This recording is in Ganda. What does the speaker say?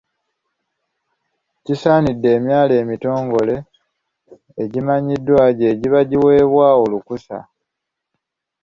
Kisaanidde emyaalo emitongole egimanyiddwa gye giba giweebwa olukusa.